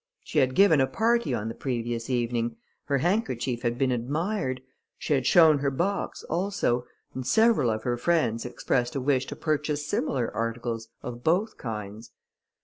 She had given a party on the previous evening; her handkerchief had been admired; she had shown her box also, and several of her friends expressed a wish to purchase similar articles of both kinds.